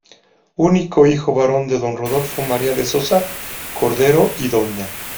Único hijo varón de Don Rodolfo María de Sosa Cordero y Dña.